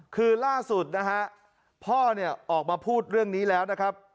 คือล่าสุดพ่อออกมาพูดเรื่องนี้แล้วนะครับ